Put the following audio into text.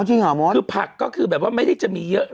คือผักก็คือแบบว่าไม่ได้จะมีเยอะ